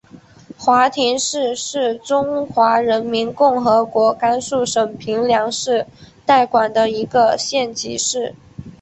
华亭市是中华人民共和国甘肃省平凉市代管的一个县级市。